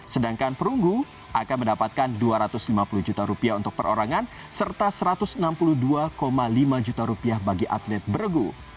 sedangkan perunggu akan mendapatkan dua ratus lima puluh juta rupiah untuk perorangan serta rp satu ratus enam puluh dua lima juta rupiah bagi atlet beregu